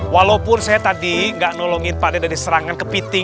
walaupun saya tadi nggak nolongin pade dari serangan kepiting